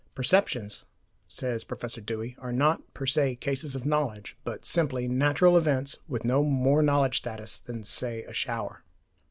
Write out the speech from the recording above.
Perceptions, says Professor Dewey, are not per se cases of knowledge, but simply natural events with no more knowledge status than (say) a shower.